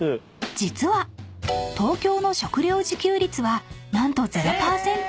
［実は東京の食料自給率は何と０％！］